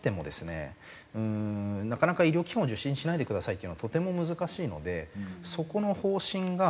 うーんなかなか医療機関を受診しないでくださいというのはとても難しいのでそこの方針が。